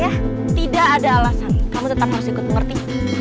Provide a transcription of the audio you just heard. ya tidak ada alasan kamu tetap harus ikut mengerti